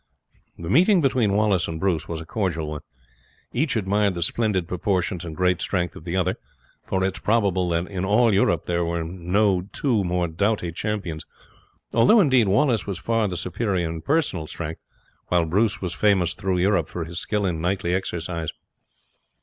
The meeting between Wallace and Bruce was a cordial one. Each admired the splendid proportions and great strength of the other, for it is probable that in all Europe there were no two more doughty champions; although, indeed, Wallace was far the superior in personal strength while Bruce was famous through Europe for his skill in knightly exercise.